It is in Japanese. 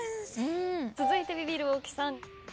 続いてビビる大木さん。